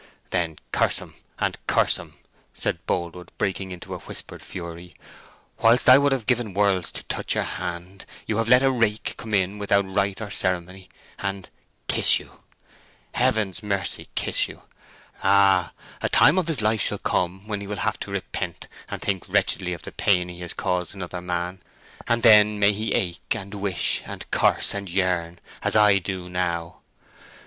"Then curse him; and curse him!" said Boldwood, breaking into a whispered fury. "Whilst I would have given worlds to touch your hand, you have let a rake come in without right or ceremony and—kiss you! Heaven's mercy—kiss you!... Ah, a time of his life shall come when he will have to repent, and think wretchedly of the pain he has caused another man; and then may he ache, and wish, and curse, and yearn—as I do now!"